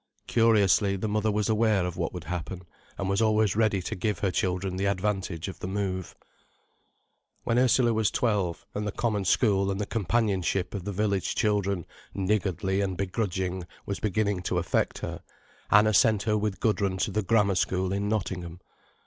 Curiously, the mother was aware of what would happen, and was always ready to give her children the advantage of the move. When Ursula was twelve, and the common school and the companionship of the village children, niggardly and begrudging, was beginning to affect her, Anna sent her with Gudrun to the Grammar School in Nottingham.